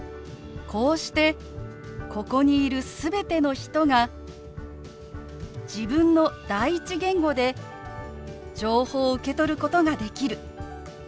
こうしてここにいる全ての人が自分の第一言語で情報を受け取ることができる。